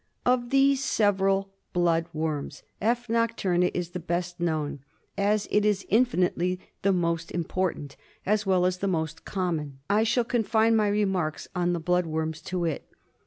■^ Of these several blood worms F.nQciurna is the best known. As it is in ,^^ finitely the most import ^^^^ ant, as well as the most ^Z^B common, I shall confine my remarks on the blood worms to it.